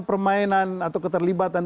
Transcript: permainan atau keterlibatan